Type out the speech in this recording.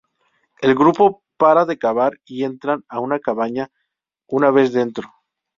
El grupo para de cavar y entran a una cabaña, una vez dentro.